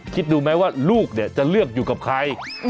คิดดูไหมว่าลูกเนี่ยจะเลือกอยู่กับใคร